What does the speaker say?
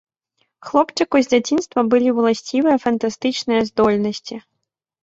Хлопчыку з дзяцінства былі ўласцівыя фантастычныя здольнасці.